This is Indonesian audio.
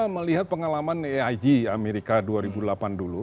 melihat pengalaman aig amerika dua ribu delapan dulu